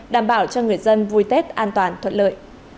đảm bảo cho người dân vui tết an toàn thuận lợi